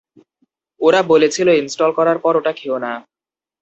ওরা বলেছিল ইনস্টল করার পর ওটা খেয়ো না।